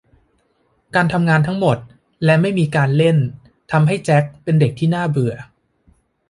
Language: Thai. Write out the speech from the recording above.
การทำงานทั้งหมดและไม่มีการเล่นทำให้แจ็คเป็นเด็กที่น่าเบื่อ